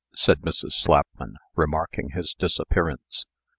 said Mrs. Slapman, remarking his disappearance.